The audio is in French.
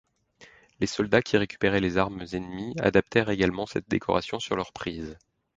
Les soldats qui récupéraient des armes ennemies adaptèrent également cette décorations sur leurs prises.